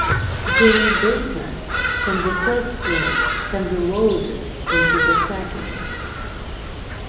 Game data from the first game can be loaded into the second.